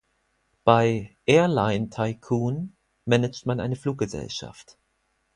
Bei "Airline Tycoon" managt man eine Fluggesellschaft.